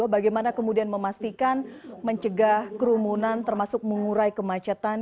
bagaimana kemudian memastikan mencegah kerumunan termasuk mengurai kemacetan